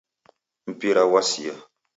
Mpira ghwasia